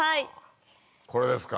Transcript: これですか。